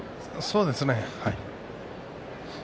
そうですね。